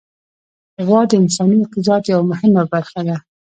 غوا د انساني اقتصاد یوه مهمه برخه ده.